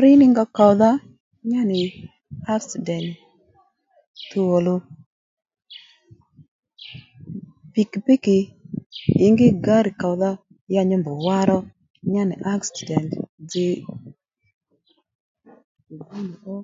Rí ní ngow kòwdha nyá nì aksident tuw òluw pikìpíkì ǐngí gǎrr kòwdha ya nyi mbr wa ro nya nì aksident dji nì kwó nì ró